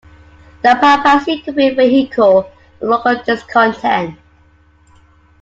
The Papacy could be a vehicle for local discontent.